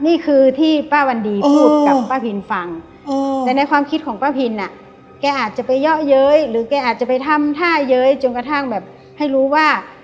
นี่คือที่ป้าวันดีพูดกับป้าพินฟังแต่ในความคิดของป้าพินอ่ะแกอาจจะไปเยาะเย้ยหรือแกอาจจะไปทำท่าเย้ยจนกระทั่งแบบให้รู้ว่า